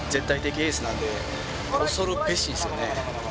恐るべしですよね。